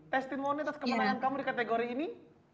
testimoni dan kemahiran kamu di kategori ini